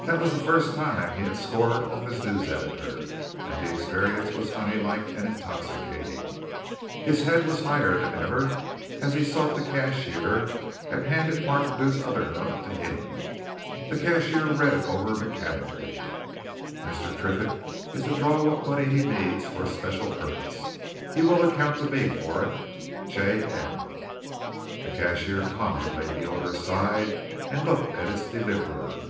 That was the first time he had scored off his news editor, and the experience was honey like and intoxicating. His head was higher than ever as he sought the cashier and handed Markledew's other note to him. The cashier read it over mechanically. "Mr. Triffitt is to draw what money he needs for a special purpose. He will account to me for it. J. M." The cashier calmly laid the order aside and looked at its deliverer.